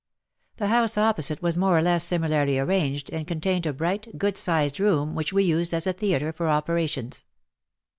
The house opposite was more or less similarly arranged, and contained a bright, good sized room which we used as a theatre for operations.